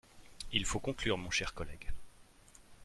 Il faut conclure, mon cher collègue.